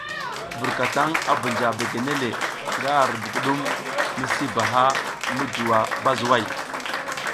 Burkataŋ a bunja begene le nga ar budugum misi baha mi juwa bazuway.